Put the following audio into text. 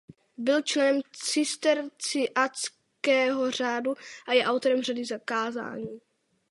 Byl členem cisterciáckého řádu a je autorem řady kázání.